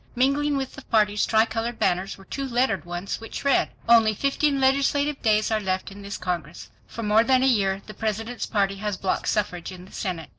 Mingling with the party's tri colored banners were two lettered ones which read: ONLY FIFTEEN LEGISLATIVE DAYS ARE LEFT IN THIS CONGRESS. FOR MORE THAN A YEAR THE PRESIDENT'S PARTY HAS BLOCKED SUFFRAGE IN THE SENATE.